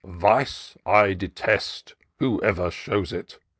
Vice I detest, whoever shows it.